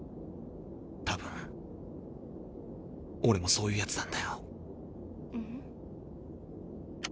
たぶんオレもそういうやつなんだよ。